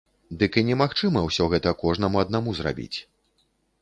Дык і немагчыма ўсё гэта кожнаму аднаму зрабіць.